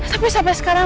tapi sampai sekarang